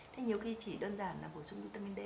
thế nhiều khi chỉ đơn giản là bổ sung vitamin d